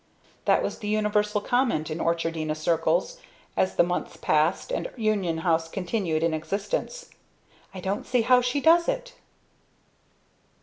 That was the universal comment in Orchardina circles as the months passed and Union House continued in existence "I don't see how she does it!"